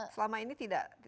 selama ini tidak